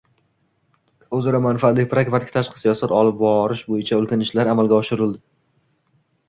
O‘zaro manfaatli pragmatik tashqi siyosat olib borish bo‘yicha ulkan ishlar amalga oshirildi.